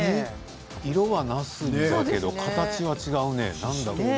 色はなすだけど形は違うね。